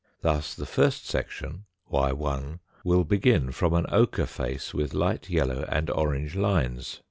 Thus, the first section, y lt will begin from an ochre face with light yellow and orange lines.